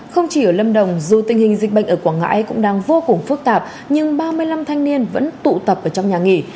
không chỉ ở lâm đồng dù tình hình dịch bệnh ở quảng ngãi cũng đang vô cùng phức tạp nhưng ba mươi năm thanh niên vẫn tụ tập ở trong nhà nghỉ